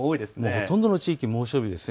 ほとんどの地域、猛暑日です。